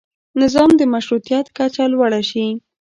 د نظام مشروطیت کچه لوړه شي.